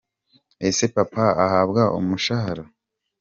Ese Papa ahabwa umushahara?